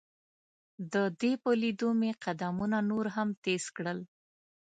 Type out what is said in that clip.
د دې په لیدو مې قدمونه نور هم تیز کړل.